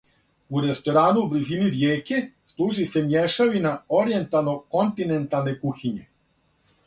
У ресторану у близини ријеке служи се мјешавина оријентално-континенталне кухиње.